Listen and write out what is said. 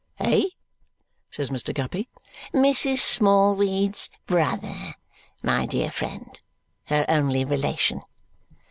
"Eh?" says Mr. Guppy. "Mrs. Smallweed's brother, my dear friend her only relation.